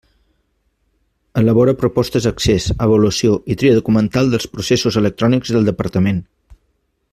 Elabora propostes d'accés, avaluació i tria documental dels processos electrònics del Departament.